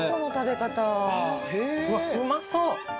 うわうまそう。